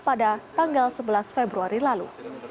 pada tanggal sebelas februari lalu